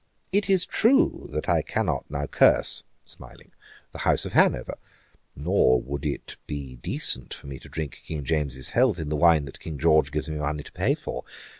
It is true, that I cannot now curse (smiling) the House of Hanover; nor would it be decent for me to drink King James's health in the wine that King George gives me money to pay for.